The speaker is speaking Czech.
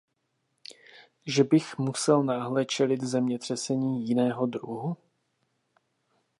Že bych musel náhle čelit zemětřesení jiného druhu?